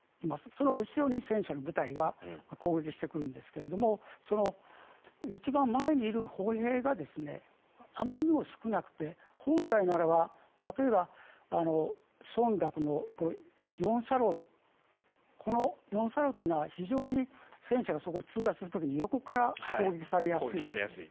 その後ろで戦車の部隊が攻撃してくるんですが一番前にいる歩兵があまりにも少なくて本来ならば例えば、村落の四差路この四差路というのは非常に戦車がそこを通過する時に横から攻撃されやすい。